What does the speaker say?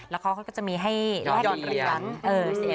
แล้วเขาก็จะมีให้หยอดเหลียน